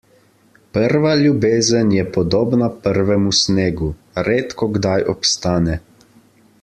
Prva ljubezen je podobna prvemu snegu; redkokdaj obstane.